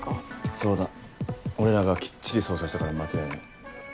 そうだ俺らがきっちり捜査したから間違いない。